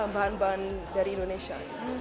bahan bahan dari indonesia